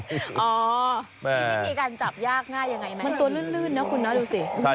อ่อมีวิธีการจับยากง่ายยังไงมั้ย